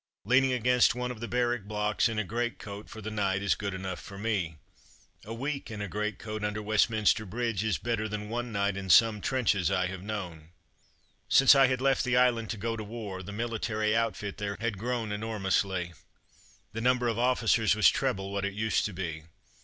Leaning against one of the barrack blocks in a greatcoat for the night is good enough for me. A week in a great coat under Westminster bridge is better than one night in some trenches I have known.'/ Since I had left the island to go to war the military outfit there had grown enormously. The number of officers was treble what it used to be.